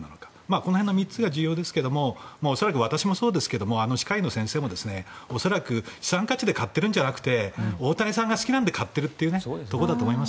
この３つが重要なんですが恐らく私もそうですが歯科医の先生も資産価値で買っているのではなく大谷さんが好きなので買っているという。